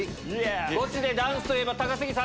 ゴチでダンスといえば高杉さんです。